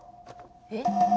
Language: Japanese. えっ？